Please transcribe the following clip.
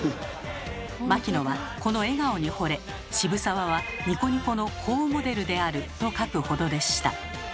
牧野はこの笑顔にほれ「渋沢はニコニコの好モデルである」と書くほどでした。